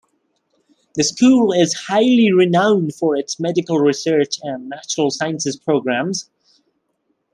The school is highly renowned for its medical research and natural sciences programs.